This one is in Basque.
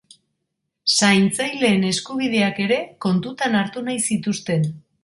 Zaintzaileen eskubideak ere kontuan hartu nahi zituzten.